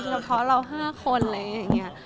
เฉพาะเรา๕คนอะไรอย่างนี้